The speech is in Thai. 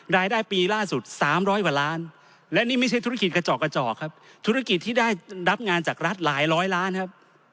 รายได้ปีล่าสุด๓๐๐กว่าล้านและนี่ไม่ใช่ธุรกิจกระจอกกระจอกครับธุรกิจที่ได้รับงานจากรัฐหลายร้อยล้านครับ